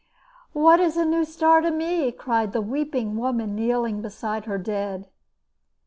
"What is a new star to me?" cried the weeping woman kneeling beside her dead.